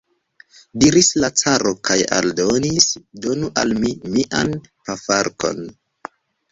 diris la caro kaj aldonis: donu al mi mian pafarkon.